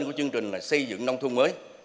của chương trình là xây dựng nông thôn mới